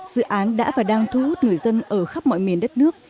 dự án đã và đang thu hút người dân ở khắp mọi miền đất nước